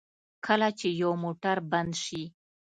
کله چې یو موټر بند شي.